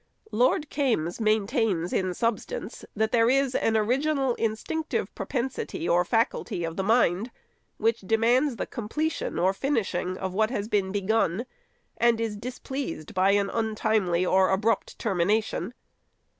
Lord Kaimes maintains, in substance, that there is an original, instinctive propensity or faculty of the mind, which demands the completion or finishing of what has been begun, and is displeased by an untimely or abrupt termination.